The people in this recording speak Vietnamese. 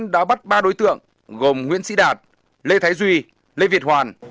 đã bắt ba đối tượng gồm nguyễn sĩ đạt lê thái duy lê việt hoàn